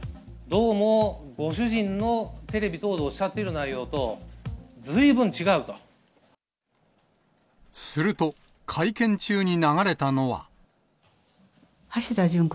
どうもご主人のテレビ等でおっしゃっている内容と、ずいぶん違うすると、会見中に流れたのは。